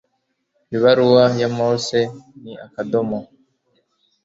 Ibaruwa ya Morse ni Akadomo